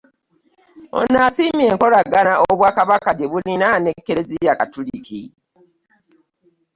Ono asiimye enkolagana Obwakabaka gye bulina n'ekereziya katolika